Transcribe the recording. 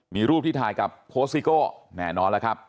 มีรูปที่ถ่ายกับโค้ชซิโก้แน่นอนแล้วครับ